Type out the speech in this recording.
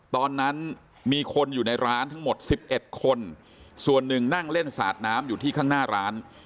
ตอนนั้นมีคนอยู่ในร้านทั้งหมด๑๑คนส่วนหนึ่งนั่งเล่นสาดน้ำอยู่ที่ข้างหน้าร้าน